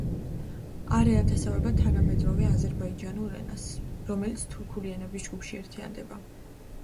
არ ენათესავება თანამედროვე აზერბაიჯანული ენას, რომელიც თურქული ენების ჯგუფში ერთიანდება.